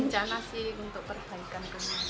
rencana sih untuk perbaikan rumah